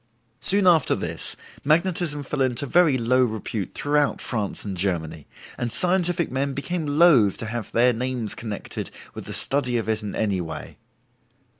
Soon after this, magnetism fell into very low repute throughout France and Germany, and scientific men became loath to have their names connected with the study of it in any way.